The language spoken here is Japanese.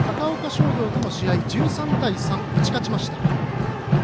商業との試合で１３対３、打ち勝ちました。